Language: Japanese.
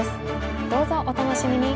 どうぞお楽しみに！